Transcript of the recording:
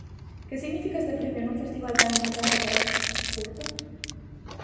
Que significa este premio nun festival tan importante para esta curta?